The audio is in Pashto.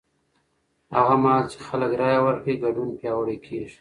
هغه مهال چې خلک رایه ورکړي، ګډون پیاوړی کېږي.